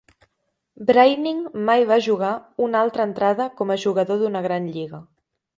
Breining mai va jugar una altra entrada com a jugador d'una Gran Lliga.